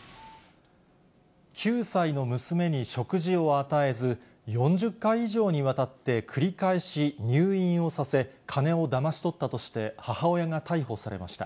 ９歳の娘に食事を与えず、４０回以上にわたって繰り返し入院をさせ、金をだまし取ったとして、母親が逮捕されました。